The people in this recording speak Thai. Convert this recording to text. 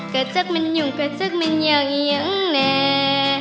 ก็จักมันหยุ่งก็จักมันยังยังแน่